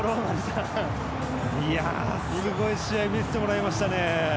すごい試合見せてもらいましたね。